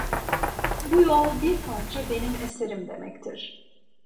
Bu yol bir parça benim eserim demektir…